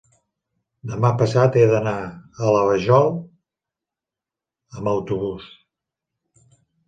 demà passat he d'anar a la Vajol amb autobús.